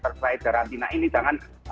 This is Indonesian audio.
terus saya deradina ini jangan